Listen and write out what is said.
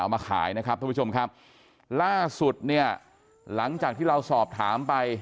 มาขายนะครับท่านผู้ชมครับล่าสุดเนี่ยหลังจากที่เราสอบถามไป